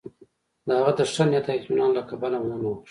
د هغه د ښه نیت او اطمینان له کبله مننه وکړي.